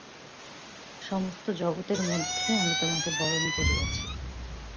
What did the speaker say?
সমস্ত জগতের মধ্যে আমি তোমাকে বরণ করিয়াছি।